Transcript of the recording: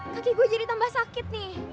kaki gue jadi tambah sakit nih